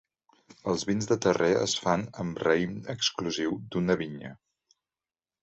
Els vins de terrer es fan amb raïm exclusiu d'una vinya.